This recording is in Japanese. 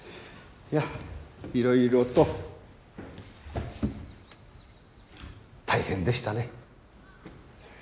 いやいろいろと大変でしたね。